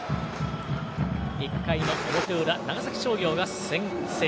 １回の裏、長崎商業が先制。